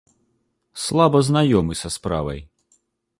Слаба знаёмы са справай.